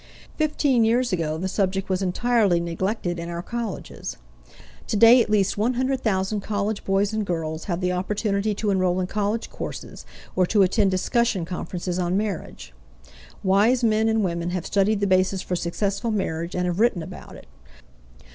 Fifteen years ago the subject was entirely neglected in our colleges; today at least 100,000 college boys and girls have the opportunity to enroll in college courses or to attend discussion conferences on marriage. Wise men and women have studied the basis for successful marriage and have written about it.